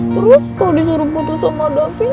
terus kok disuruh putus sama davin